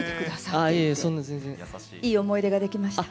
いい思い出ができました。